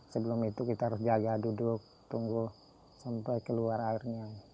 sebelum itu kita harus jaga duduk tunggu sampai keluar airnya